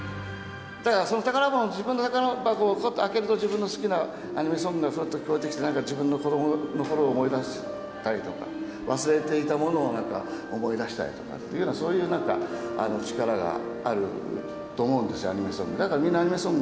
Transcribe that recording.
だからその宝箱、自分の宝箱をぱっと開けると、自分の好きなアニメソングがそっと聴こえてきて、なんか自分の子どものころを思い出したりとか、忘れていたものをなんか、思い出したりとかっていう、そういうなんか力があると思うんですよ、アニメソング。